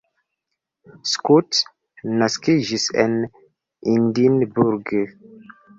Scott naskiĝis en Edinburgh.